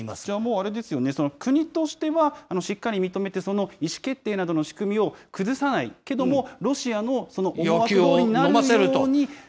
じゃあ、もう、あれですよね、国としてはしっかり認めて、その意思決定などの仕組みを崩さない、けれども、ロシアの思惑どおりに要求をのませると。